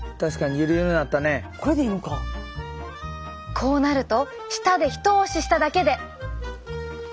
こうなると舌で一押ししただけで。